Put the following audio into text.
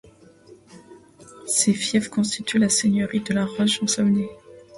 Ces fiefs constituent la seigneurie de la Roche-en-Savenay.